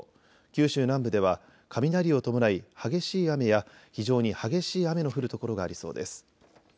九州南部では雷を伴い激しい雨や非常に激しい雨の降る所がありそうです。